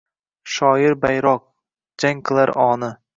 Shoir – bayroq, jang qilar oni